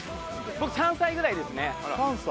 僕３歳ぐらいですね３歳？